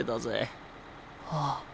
ああ。